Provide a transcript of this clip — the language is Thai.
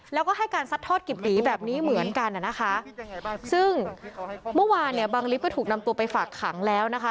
แล้วก็ให้การซัดทอดกิบตีแบบนี้เหมือนกันน่ะนะคะซึ่งเมื่อวานเนี่ยบังลิฟต์ก็ถูกนำตัวไปฝากขังแล้วนะคะ